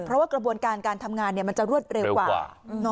เพราะว่ากระบวนการการทำงานมันจะรวดเร็วกว่า